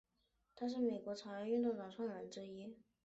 他是美国茶叶党运动的创始人之一。